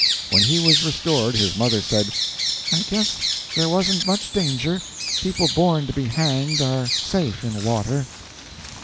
When he was restored, his mother said: "I guess there wasn't much danger. People born to be hanged are safe in water."